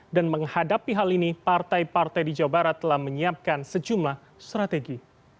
dan menghadapi hal ini partai partai di jawa barat telah menyiapkan sejumlah strategi